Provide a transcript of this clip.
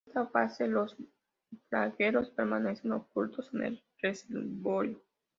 En esta fase, los flagelos permanecen ocultos en el reservorio.